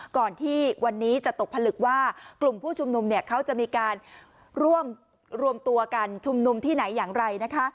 ก่อนที่วันนี้จะตกผลึกว่ากลุ่มผู้ชุมนุมเขาจะมีการรวมตัวกันชุมนุมที่ไหนอย่างไรนะคะ